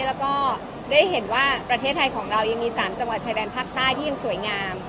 และได้เห็นว่าประเทศไทยของเรายังมี๓จังหวัดชายด่านพรรท่าชัยที่ยังสวยงาม